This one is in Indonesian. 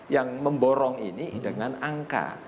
yang memborong ini dengan angka